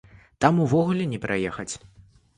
Там увогуле не праехаць!